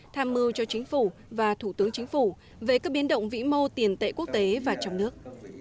tham mưu cho chính phủ và thủ tướng chính phủ về các biến động vĩ mô tiền tệ quốc tế và trong nước